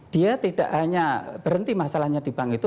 dia tidak hanya berhenti masalahnya di bank itu